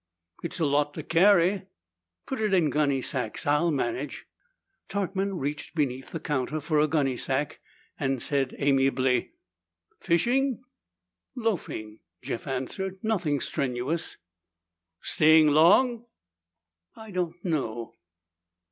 "It's a lot to carry." "Put it in gunny sacks. I'll manage." Tarkman reached beneath the counter for a gunny sack and said amiably, "Fishing?" "Loafing," Jeff answered. "Nothing strenuous." "Staying long?" "I don't know."